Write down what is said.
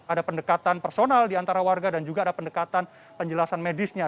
ada pendekatan personal diantara warga dan juga ada pendekatan penjelasan medisnya